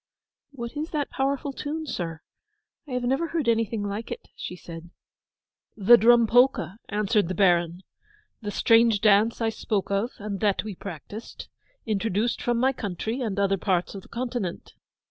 'What is that powerful tune, sir—I have never heard anything like it?' she said. 'The Drum Polka,' answered the Baron. 'The strange dance I spoke of and that we practised—introduced from my country and other parts of the continent.